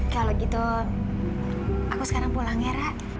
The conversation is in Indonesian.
kalau gitu aku sekarang pulang ya rak